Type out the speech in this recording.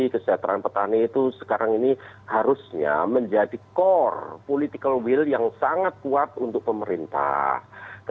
kesejahteraan petani itu sekarang ini harusnya menjadi core political will yang sangat kuat untuk pemerintah